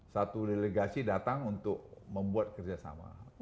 satu delegasi datang untuk membuat kerjasama